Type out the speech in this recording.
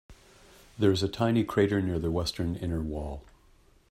There is a tiny crater near the western inner wall.